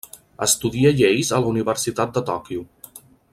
Estudià lleis a la Universitat de Tòquio.